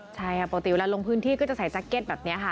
ใช่ค่ะปกติเวลาลงพื้นที่ก็จะใส่แจ็คเก็ตแบบนี้ค่ะ